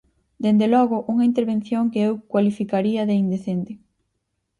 Dende logo, unha intervención que eu cualificaría de indecente.